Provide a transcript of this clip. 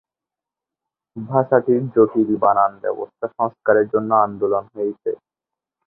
ভাষাটির জটিল বানান ব্যবস্থা সংস্কারের জন্য আন্দোলন হয়েছে।